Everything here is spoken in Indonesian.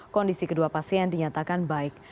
kondisi kedua pasien dinyatakan baik